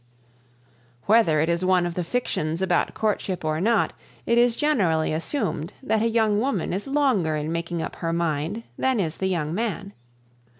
Whether it is one of the fictions about courtship or not, it is generally assumed that a young woman is longer in making up her mind than is the young man.